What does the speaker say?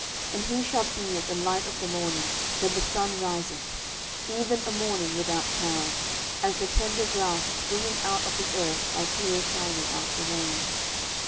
10:023:004 And he shall be as the light of the morning, when the sun riseth, even a morning without clouds; as the tender grass springing out of the earth by clear shining after rain.